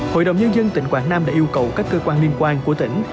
hội đồng nhân dân tỉnh quảng nam đã yêu cầu các cơ quan liên quan của tỉnh